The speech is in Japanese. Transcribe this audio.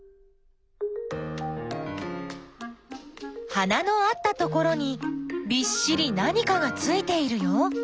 花のあったところにびっしり何かがついているよ。